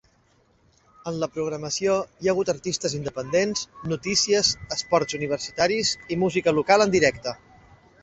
En la programació hi ha hagut artistes independents, notícies, esports universitaris i música local en directe.